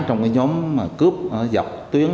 trong cái nhóm cướp dọc tuyến